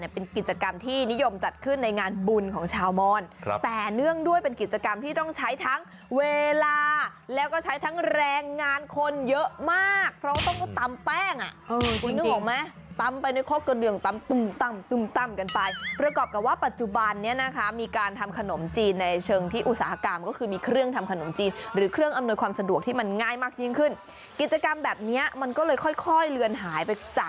เป็นกิจกรรมที่นิยมจัดขึ้นในงานบุญของชาวมอนแต่เนื่องด้วยเป็นกิจกรรมที่ต้องใช้ทั้งเวลาแล้วก็ใช้ทั้งแรงงานคนเยอะมากเพราะต้องก็ตำแป้งอ่ะคุณนึกออกไหมตำไปในข้อเกลืองตำตุ่มกันไปประกอบกับว่าปัจจุบันนี้นะคะมีการทำขนมจีนในเชิงที่อุตสาหกรามก็คือมีเครื่องทำขนมจีนหรือเครื่องอำนวย